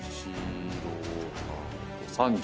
３０。